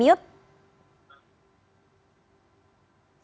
selamat sore bang ferry